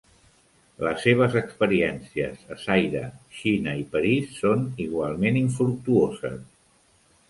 Les seves experiències a Zaire, Xina i París són igualment infructuoses.